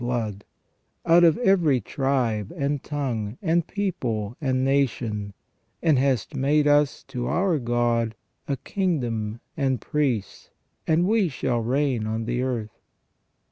357 blood, out of every tribe, and tongue, and people, and nation, and hast made us to our God a kingdom and priests, and we shall reign on the earth